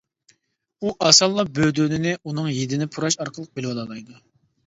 ئۇ ئاسانلا بۆدۈنىنى ئۇنىڭ ھىدىنى پۇراش ئارقىلىق بىلىۋالالايدۇ.